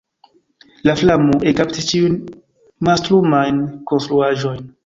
La flamo ekkaptis ĉiujn mastrumajn konstruaĵojn.